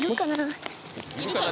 「いるかな」